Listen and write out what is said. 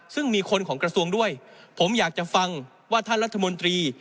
ซึ่งมีคนของกระทรวงด้วยผมอยากจะฟังว่าท่านรัฐมนตรี